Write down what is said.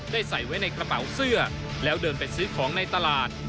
ใส่ไว้ในกระเป๋าเสื้อแล้วเดินไปซื้อของในตลาด